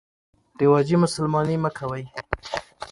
رواجي مسلماني مه کوئ.